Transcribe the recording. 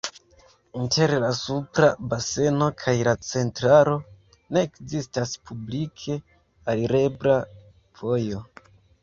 Inter la supra baseno kaj la centralo ne ekzistas publike alirebla vojo.